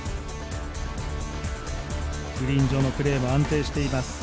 グリーン上のプレーも安定しています。